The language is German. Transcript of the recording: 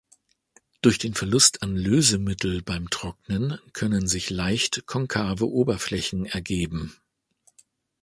Durch den Verlust an Lösemittel beim Trocknen können sich leicht konkave Oberflächen ergeben.